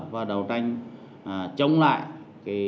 và đấu tranh chống lại